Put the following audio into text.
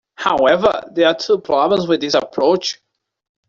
However, there are two problems with this approach.